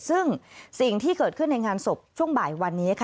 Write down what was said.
ซึ่งสิ่งที่เกิดขึ้นในงานศพช่วงบ่ายวันนี้ค่ะ